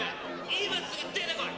今すぐ出てこい！